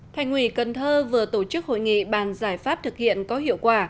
thành ủy cần thơ vừa tổ chức hội nghị bàn giải pháp thực hiện có hiệu quả